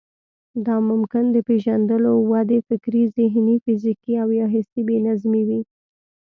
دا ممکن د پېژندلو، ودې، فکري، ذهني، فزيکي او يا حسي بې نظمي وي.